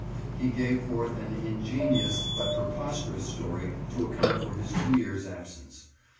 He gave forth an ingenious but preposterous story to account for his two years' absence.